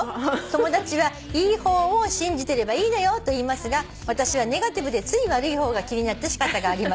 「友達はいい方を信じてればいいのよと言いますが私はネガティブでつい悪い方が気になってしかたがありません」